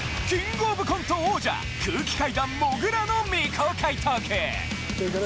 キングオブコント王者、空気階段・もぐらの未公開トーク。